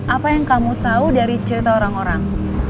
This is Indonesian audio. apa yang kamu tahu dari cerita orang orang